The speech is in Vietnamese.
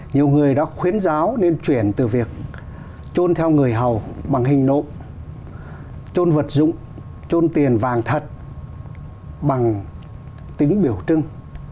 nhiều người đã khuyến giáo nên chuyển từ việc trôn theo người hầu bằng hình nộm trôn vật dụng trôn tiền vàng thật bằng tính biểu trưng